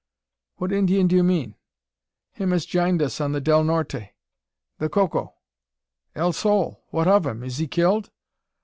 "What Indian do you mean?" "Him as jined us on the Del Norte the Coco." "El Sol! What of him? is he killed?"